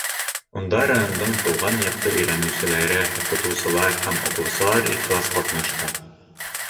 Унда райондың тыуған яҡты өйрәнеүселәре, уҡытыусылар һәм уҡыусылар ихлас ҡатнашты.